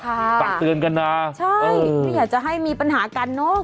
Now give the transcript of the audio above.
ฝากเตือนกันนะใช่ไม่อยากจะให้มีปัญหากันเนอะ